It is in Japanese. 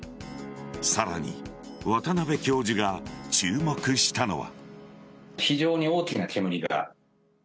さらに渡邉教授が注目したのは。